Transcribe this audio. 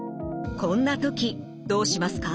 こんな時どうしますか？